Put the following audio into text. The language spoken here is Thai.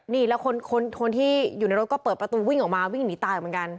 นี่แล้วคนที่อยู่ในรถก็เปิดประตูวิ่งออกมาวิ่งหนีตายออกเหมือนกัน